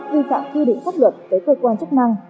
vi phạm quy định pháp luật tới cơ quan chức năng